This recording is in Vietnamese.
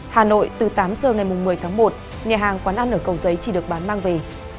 hà nội từ tám giờ ngày một mươi tháng một nhà hàng quán ăn ở cầu giấy chỉ được bán mang về